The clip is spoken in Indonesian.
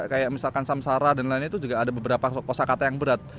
kayak misalkan samsara dan lain lain itu juga ada beberapa kosa kata yang berat